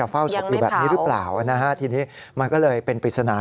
เปล่านะทีนี้มันก็เลยเป็นปริศนา